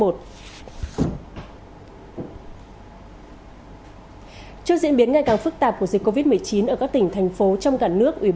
trước diễn biến ngày càng phức tạp của dịch covid một mươi chín ở các tỉnh thành phố trong cả nước